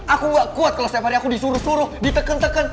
aku gak kuat kalau setiap hari aku disuruh suruh ditekan tekan